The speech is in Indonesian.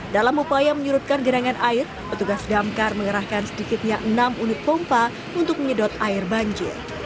dalam upaya menyurutkan genangan air petugas damkar mengerahkan sedikitnya enam unit pompa untuk menyedot air banjir